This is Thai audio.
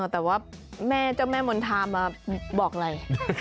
แต่ว่าแม่เจ้าแม่มณฑามาบอกอะไร